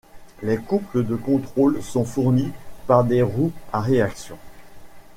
Les couples de contrôle sont fournis par des roues à réaction.